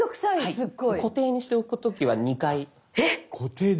すごい。